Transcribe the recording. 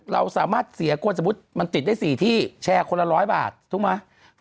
เราสามารถเสียคนสมมุติมันติดได้๔ที่แชร์คนละ๑๐๐บาทถูกไหม